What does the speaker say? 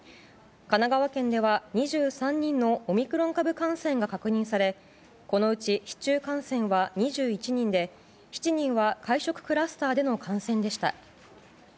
神奈川県では２３人のオミクロン株感染が確認されこのうち市中感染は２１人で７人は会食クラスターでの感染でした。